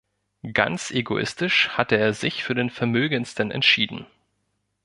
Ganz egoistisch hatte er sich für den vermögendsten entschieden.